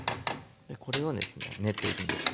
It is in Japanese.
これをですね練っていくんですけども。